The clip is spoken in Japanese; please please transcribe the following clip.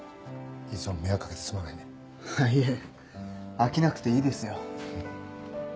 飽きなくていいですよ。